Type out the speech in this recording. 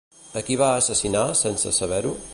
A qui va assassinar, sense saber-ho?